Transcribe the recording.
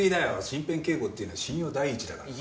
身辺警護っていうのは信用第一だから。